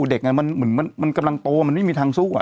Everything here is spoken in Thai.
เด็กไงมันเหมือนมันกำลังโตมันไม่มีทางสู้